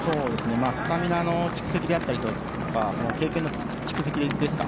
スタミナの蓄積だったり経験の蓄積ですか。